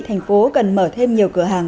thành phố cần mở thêm nhiều cửa hàng